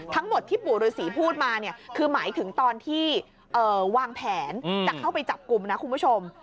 ทั้งหมดที่ปู่ฤษีพูดมาเนี่ยคือหมายถึงตอนที่วางแผนจะเข้าไปจับกลุ่มนะคุณผู้ชม